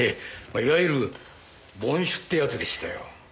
いわゆる凡手ってやつでしたよ。